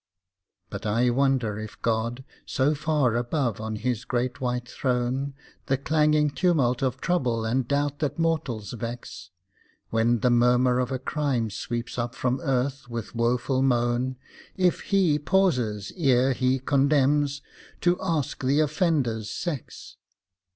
But I wonder if God, so far above on His great white throne The clanging tumult of trouble and doubt that mortals vex; When the murmur of a crime sweeps up from earth with woeful moan, If He pauses, ere He condemns, to ask the offender's sex.